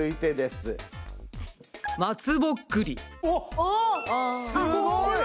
すごい。